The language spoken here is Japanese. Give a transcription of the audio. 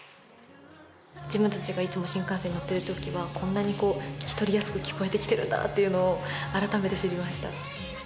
自分たちがいつも新幹線乗っているときは、こんなに聞き取りやすく聞こえてきてるんだなっていうのを改めて知りました。